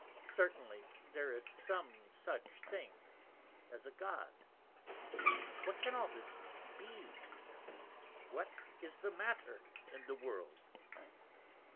Certainly there is some such thing as a God What can all this be? What is the Matter in the World?